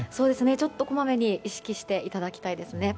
ちょっと、こまめに意識していただきたいですね。